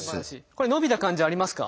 これ伸びた感じありますか？